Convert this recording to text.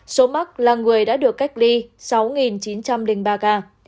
số mắc là người đã được cách ly sáu chín trăm linh ba ca